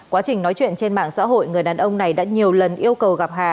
quá trình nói chuyện trên mạng xã hội người đàn ông này đã nhiều lần yêu cầu gặp hà